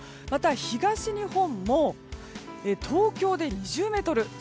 また東日本も東京で２０メートル